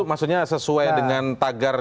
maksudnya sesuai dengan tagar